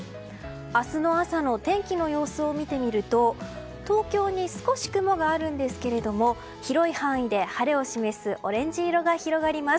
明日朝の天気の様子を見てみると東京に少し雲があるんですが広い範囲で晴れを示すオレンジ色が広がります。